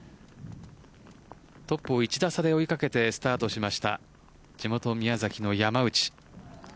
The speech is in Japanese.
トップを１打差で追いかけてスタートしました地元・宮崎の山内。